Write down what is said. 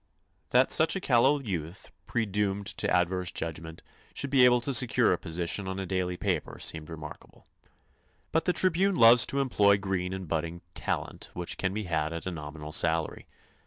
That such a callow youth, predoomed to adverse judgment, should be able to secure a position on a daily paper seemed remarkable. But the Tribune loves to employ green and budding "talent," which can be had at a nominal salary.